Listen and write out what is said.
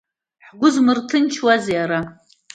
Ҳгәы змырҭынчуазеи ара?